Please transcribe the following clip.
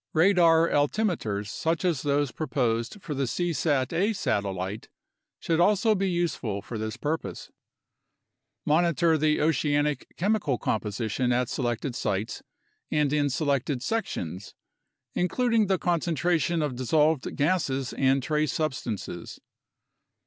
Radar altimeters such as those proposed for the seasat a satellite should also be useful for this purpose. Monitor the oceanic chemical composition at selected sites and in selected sections, including the concentrations of dissolved gases and trace substances.